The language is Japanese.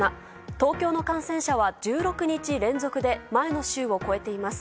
東京の感染者は１６日連続で前の週を超えています。